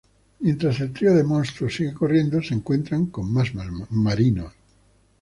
Mientras el trío de monstruos sigue corriendo, se encuentran con más marinos.